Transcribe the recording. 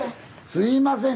すいません